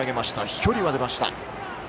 飛距離は出ました。